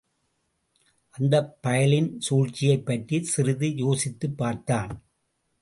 அந்தப் பயலின் சூழ்ச்சியைப் பற்றிச் சிறிது யோசித்துப் பார்த்தான்.